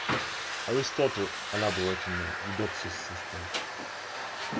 Aristotle elaborated on Eudoxus' system.